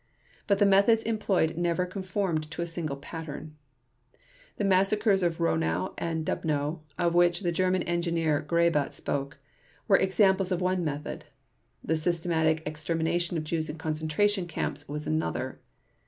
But the methods employed never conformed to a single pattern. The massacres of Rowno and Dubno, of which the German engineer Graebe spoke, were examples of one method; the systematic extermination of Jews in concentration camps, was another.